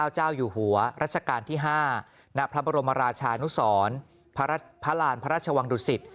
เจ้าอยู่หัวรัชกาลที่๕ณพระบรมราชานุสรพระราณพระราชวังดุสิต